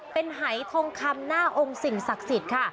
เป็นหายทองคำหน้าองค์สิ่งศักดิ์สิทธิ์ค่ะ